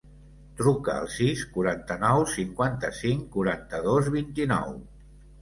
Truca al sis, quaranta-nou, cinquanta-cinc, quaranta-dos, vint-i-nou.